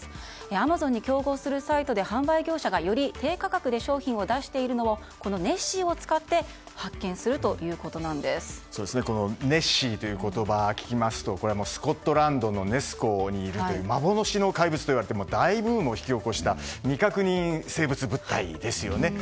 アマゾンに競合するサイトで販売業者がより低価格で商品を出しているのをこのネッシーを使ってネッシーという言葉を聞きますとスコットランドのネス湖にいる幻の怪物と呼ばれて大ブームを生み出した未確認生物物体ですよね。